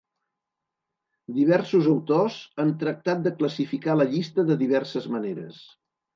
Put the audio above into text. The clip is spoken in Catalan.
Diversos autors han tractat de classificar la llista de diverses maneres.